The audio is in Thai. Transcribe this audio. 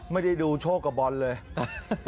ไม่ได้ดูโชคกับบอลเลย